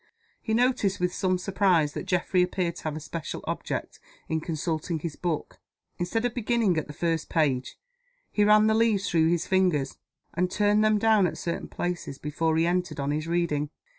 He noticed, with some surprise, that Geoffrey appeared to have a special object in consulting his book. Instead of beginning at the first page, he ran the leaves through his fingers, and turned them down at certain places, before he entered on his reading.